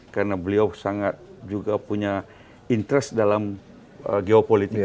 karena beliau sangat juga punya interest dalam geopolitik